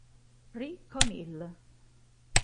Ri Chon-il